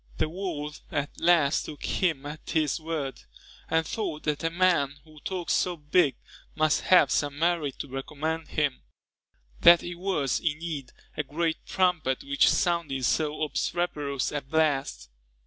The world at last took him at his word; and thought that a man who talked so big, must have some merit to recommend him, that it was, indeed, a great trumpet which sounded so obstreperous a blast.